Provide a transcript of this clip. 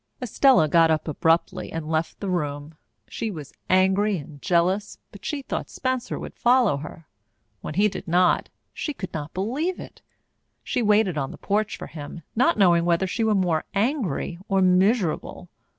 Estella got up abruptly and left the room. She was angry and jealous, but she thought Spencer would follow her. When he did not, she could not believe it. She waited on the porch for him, not knowing whether she were more angry or miserable.